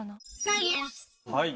はい。